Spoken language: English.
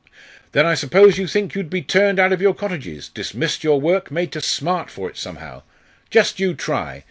"Then I suppose you think you'd be turned out of your cottages, dismissed your work, made to smart for it somehow. Just you try!